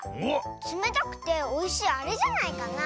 つめたくておいしいあれじゃないかな。